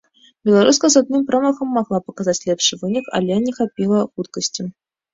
Беларуска з адным промахам магла паказаць лепшы вынік, але не хапіла хуткасці.